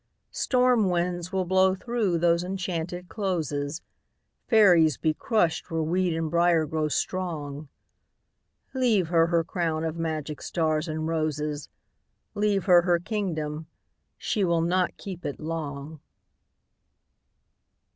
Storm winds will blow through those enchanted closes, Fairies be crushed where weed and briar grow strong ... Leave her her crown of magic stars and roses, Leave her her kingdom—she will not keep it long!